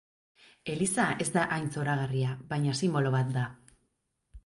Eliza ez da hain zoragarria, baina sinbolo bat da.